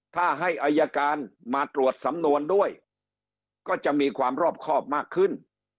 ถ้าให้อายการมาตรวจสำนวนด้วยก็จะมีความรอบครอบมากขึ้น